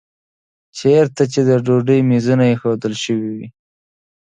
چېرته چې د ډوډۍ میزونه ایښودل شوي وو.